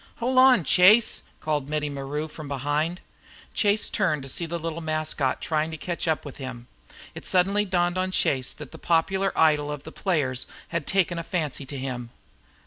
"Hol' on, Chase," called Mittie Maru from behind. Chase turned to see the little mascot trying to catch up with him. It suddenly dawned on Chase that the popular idol of the players had taken a fancy to him.